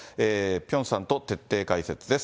ピョンさんと徹底解説です。